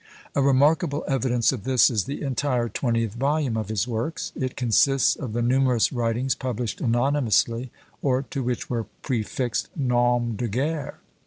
A remarkable evidence of this is the entire twentieth volume of his works. It consists of the numerous writings published anonymously, or to which were prefixed noms de guerre.